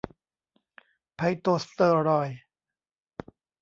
ไพโตสเตอรอยด์